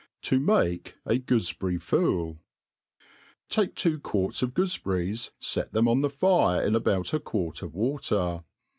Tq malu a Goofeherrj^FodiL Take two quarts of goofeberries, fet them on the fire in about a quart of water.